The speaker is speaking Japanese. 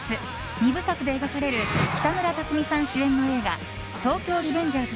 ２部作で描かれる北村匠海さん主演の映画「東京リベンジャーズ